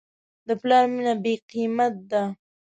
د پلار مینه بېقیمت ده.